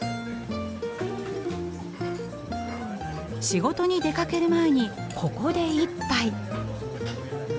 仕事に出かける前にここで一杯。